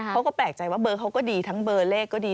เขาก็แปลกใจว่าเบอร์เขาก็ดีทั้งเบอร์เลขก็ดี